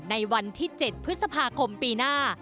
ในวันที่๗พฤษภาคมปีหน้า